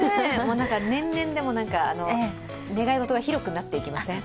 年々、願い事が広くなっていきません？